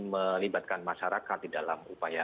melibatkan masyarakat di dalam upaya